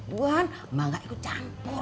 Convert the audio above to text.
buan emak gak ikut campur